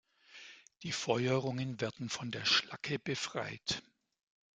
Die Feuerungen werden von der Schlacke befreit.